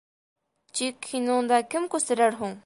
Тик һине унда кем күсерер һуң?